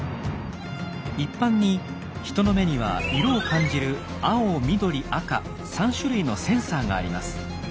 一般にヒトの目には色を感じる青緑赤３種類のセンサーがあります。